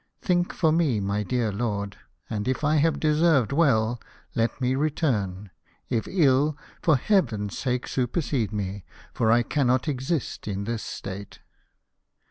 Think for me, my dear lord, and if I have deserved well, let me return ; if ill, for Heaven's sake supersede me, for I cannot exist in this state."